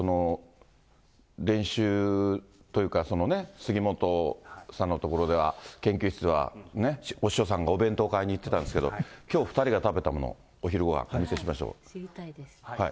練習というか、杉本さんのところでは、研究室は、お師匠さんがお弁当買いに行ってたんですけど、きょう２人が食べたもの、お昼ごはん、お見せしましょう。